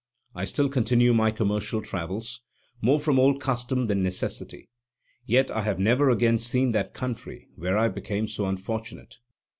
I still continue my commercial travels, more from old custom than necessity, yet I have never again seen that country where I became so unfortunate.